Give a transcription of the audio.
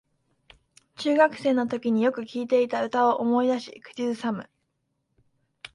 中学生のときによく聴いていた歌を思い出し口ずさむ